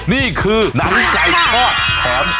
นี่คือหนังใจส้อดแถม